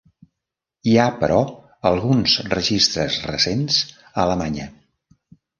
Hi ha però alguns registres recents a Alemanya.